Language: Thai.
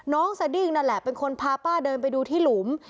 สดิ้งนั่นแหละเป็นคนพาป้าเดินไปดูที่หลุม